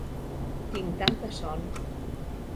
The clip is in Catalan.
Tinc tanta son!